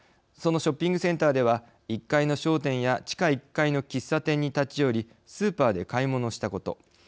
そのショッピングセンターでは１階の商店や地下１階の喫茶店に立ち寄りスーパーで買い物したこと。